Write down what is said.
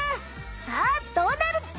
さあどうなる？